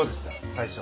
最初。